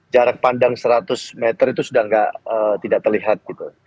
jarak pandang seratus meter itu sudah tidak terlihat